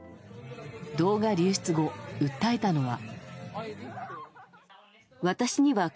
動画流出後、訴えたのは。